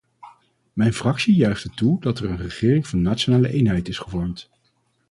Mijn fractie juicht het toe dat er een regering van nationale eenheid is gevormd.